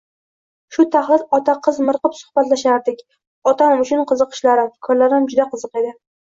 Shu taxlit ota-qiz miriqib suhbatlashardik, otam uchun qiziqishlarim, fikrlarim juda qiziq edi